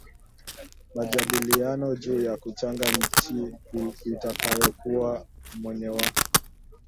majadiliano juu ya kuchagua nchi itakayokuwa mwenyeji wa